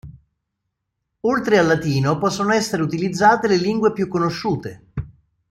Oltre al latino, possono essere utilizzate le lingue più conosciute.